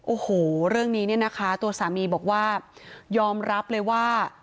โอ้โหเรื่องนี้เนี่ยนะคะตัวสามีบอกว่ายอมรับเลยว่า